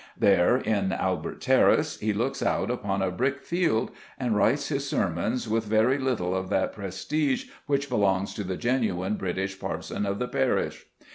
There, in Albert Terrace, he looks out upon a brickfield, and writes his sermons with very little of that prestige which belongs to the genuine British parson of the parish.